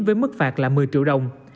với mức phạt là một mươi triệu đồng